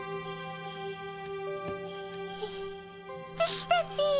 できたっピ。